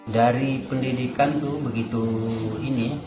dari pendidikan itu begitu ini